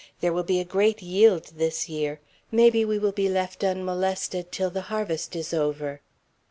There will be a great yield this year. Maybe we will be left unmolested till the harvest is over."